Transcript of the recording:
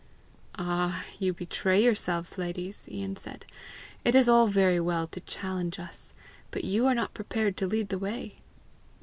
"Ah, you betray yourselves, ladies!" Ian said. "It is all very well to challenge us, but you are not prepared to lead the way!"